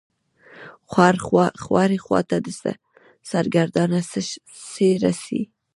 خو هرې خوا ته سرګردانه څي رڅي.